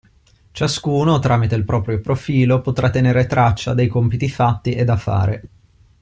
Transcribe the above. Ciascuno tramite il proprio profilo potrà tenere traccia dei compiti fatti e da fare.